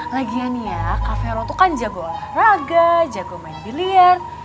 laginya nih ya kak vero tuh kan jago olahraga jago main bilir